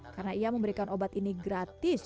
karena ia memberikan obat ini gratis